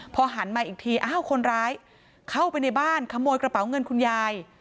พอหันมาอีกทีอ้าวคนร้ายเข้าไปในบ้านขโมยกระเป๋าเงินคุณยาย